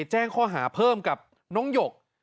แจ้งข้อหาเพิ่มกับน้องหยก